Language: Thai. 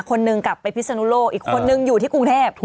คนหนึ่งกลับไปพิศนุโลกอีกคนนึงอยู่ที่กรุงเทพ